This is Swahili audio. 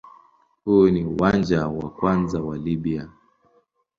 Huu ni uwanja wa kwanza wa Libya.